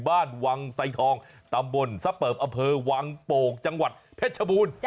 บ้านวังไซทองตำบลซับเปิบอำเภอวังโป่งจังหวัดเพชรชบูรณ์